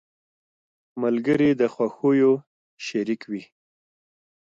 ملګري د خوښیو شريک وي.